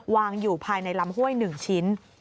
วางอยู่ภายในลำห้วย๑ชิ้น